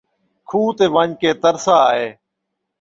کھوہ تے ون٘ڄ کے ترسا آئے